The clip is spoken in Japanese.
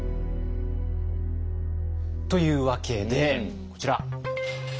というわけでこちら。